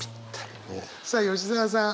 さあ吉澤さん。